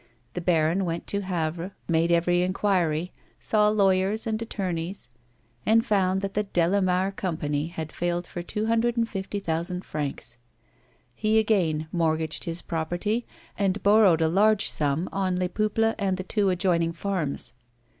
The baron went to Havre, made every enquiry, saw lawyers and attorneys, and found that the Delamare Company had failed for two hundred and thirty five thousand francs. He again mortgaged his property, and borrowed a large sum on Les Peuples and the two adjoining farms.